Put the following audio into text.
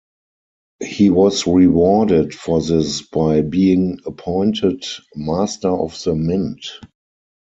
He was rewarded for this by being appointed Master of the Mint.